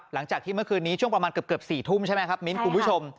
หลังจากที่เมื่อคืนนี้ช่วงประมาณเกือบ๔ทุ่มใช่ไหมครับมิ้นคุณผู้ชม